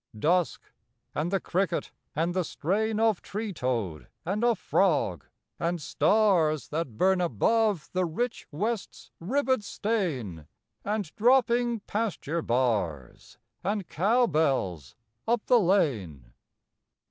Dusk and the cricket and the strain Of tree toad and of frog; and stars That burn above the rich west's ribbéd stain; And dropping pasture bars, And cow bells up the lane.